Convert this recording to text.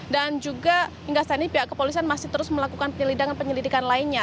dan juga hingga saat ini pihak kepolisian masih terus melakukan penyelidikan penyelidikan lainnya